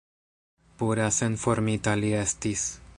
Pura, senformita li estis!